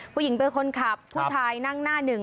ผู้หญิงเป็นคนขับผู้ชายนั่งหน้าหนึ่ง